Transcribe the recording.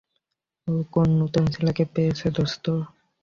ও কোন নতুন ছেলেকে পেয়েছে, দোস্ত?